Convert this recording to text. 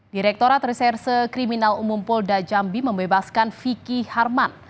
direkturat reserse kriminal umum polda jambi membebaskan vicky harman